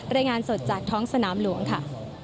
รายงานสดจากท้องสนามหลวงค่ะ